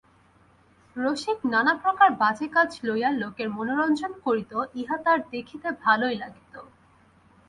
রসিক নানাপ্রকার বাজে কাজ লইয়া লোকের মনোরঞ্জন করিত ইহা তাহার দেখিতে ভালোই লাগিত।